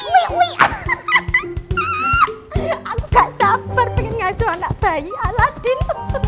wuih wuih aku gak sabar pengen ngasuh anak bayi aladin